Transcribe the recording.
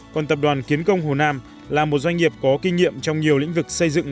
còn tập đoàn kiến công hồ nam là một doanh nghiệp có kinh nghiệm trong nhiều lĩnh vực xây dựng